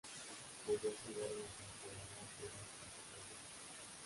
Podías jugar una temporada entera hasta el Super Bowl.